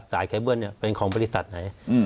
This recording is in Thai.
สายแคร์เบื้อนเนี้ยเป็นของบริษัทไหนอืม